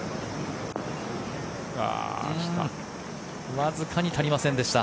わずかに足りませんでした。